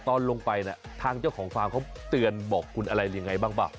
ตอนลงไปทางเจ้าของฟาร์มเขาเตือนบอกคุณอะไรยังไงบ้างป่ะ